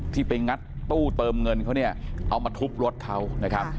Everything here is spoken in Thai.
ที่ไปงัดตู้เติมเงินเขาเอามาทุบรถเขา